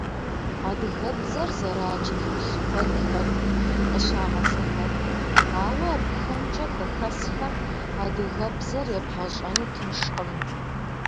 Адыгэбзэр зэрадж тхылъ куэд хэкум къыщагъэсэбэп, ауэ абыхэмкӀэ хэхэсхэм адыгэбзэр ебгъэщӀэну тыншкъым.